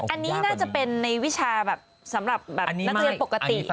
อันนี้น่าจะเป็นในวิชาแบบสำหรับนักเรียนปกติ